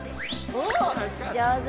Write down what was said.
おおじょうず！